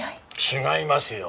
違いますよ！